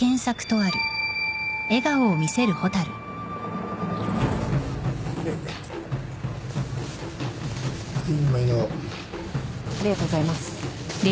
ありがとうございます。